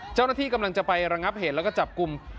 เจ้าหน้าที่กำลังจะไประงับเหตุแล้วก็จับกลุ่ม